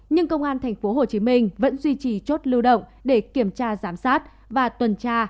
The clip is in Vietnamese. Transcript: nhưng công an tp hcm vẫn duy trì chốt lưu động để kiểm tra giám sát và tuần tra